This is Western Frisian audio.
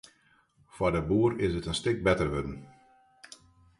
Foar de boer is it in stik better wurden.